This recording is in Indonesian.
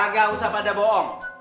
kagak usah pada bohong